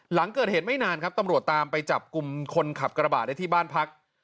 หลังเกิดเหตุไม่นานครับตำรวจตามไปจับกลุ่มคนขับกระบาดได้ที่บ้านพัก